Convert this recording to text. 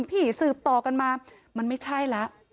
ผีสืบต่อกันมามันไม่ใช่ละ